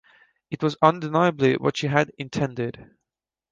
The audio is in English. It was undeniably what she had intended.